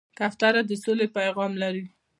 کوتره د سولې پیغام لري.